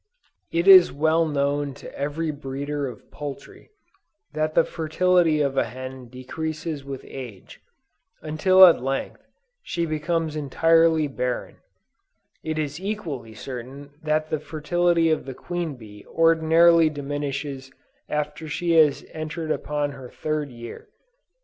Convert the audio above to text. It is well known to every breeder of poultry, that the fertility of a hen decreases with age, until at length, she becomes entirely barren; it is equally certain that the fertility of the queen bee ordinarily diminishes after she has entered upon her third year.